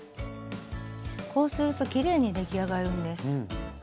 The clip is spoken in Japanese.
こうするときれいに出来上がるんです。